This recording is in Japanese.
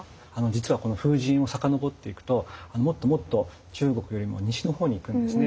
実はこの風神を遡っていくともっともっと中国よりも西の方にいくんですね。